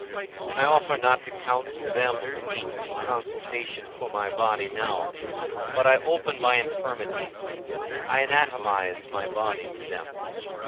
I offer not to counsel them who meet in consultation for my body now, but I open my infirmities, I anatomize my body to them.